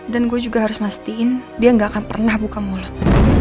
dan gue juga harus mastiin dia gak akan pernah buka mulut